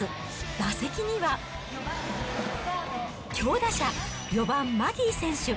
打席には、強打者、４番マギー選手。